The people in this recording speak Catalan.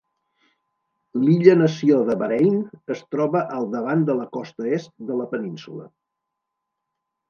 L'illa nació de Bahrain es troba al davant de la costa est de la península.